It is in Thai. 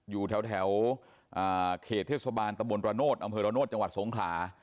อยู่แถวเขตเทศบาลตะบนประโนธอำเภอระโนธจังหวัดสงขลา